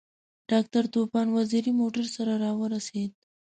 ډاکټر طوفان وزیری موټر سره راورسېد.